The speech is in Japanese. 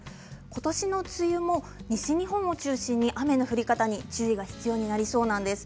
ことしの梅雨も西日本を中心に雨の降り方に注意が必要になりそうなんです。